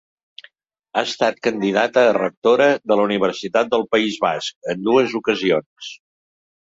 Ha estat candidata a rectora de la Universitat del País Basc en dues ocasions.